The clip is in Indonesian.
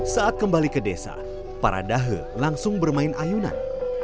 saat kembali ke desa para dahe langsung bermain ayunan